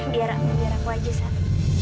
biar aku biar aku aja san